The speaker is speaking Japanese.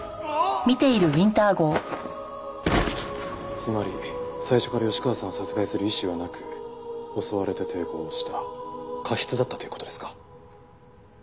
つまり最初から吉川さんを殺害する意思はなく襲われて抵抗した過失だったという事ですか？